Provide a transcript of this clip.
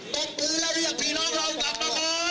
ตบือแล้วเรียกพี่น้องเรากลับมาขอ